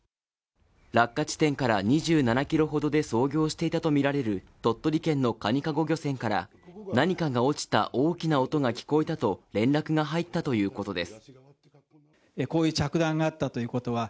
落下地点から２７キロほどで操業していたとみられる鳥取県のかにかご漁船から何かが落ちた大きな音が聞こえたと連絡が入ったということです。